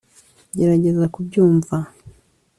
gerageza kubyumva